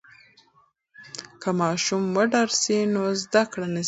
که ماشوم وډار سي نو زده کړه نسي کولای.